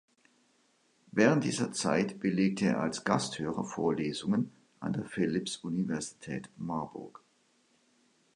Während dieser Zeit belegte er als Gasthörer Vorlesungen an der Philipps-Universität Marburg.